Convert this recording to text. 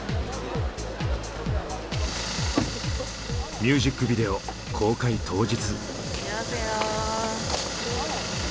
ミュージックビデオ公開当日。